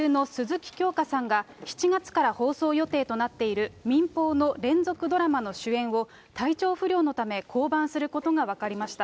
俳優の鈴木京香さんが、７月から放送予定となっている民放の連続ドラマの主演を、体調不良のため、降板することが分かりました。